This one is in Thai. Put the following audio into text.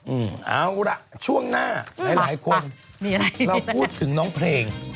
เอาล่ะช่วงหน้าหลายคนเราพูดถึงน้องเพลง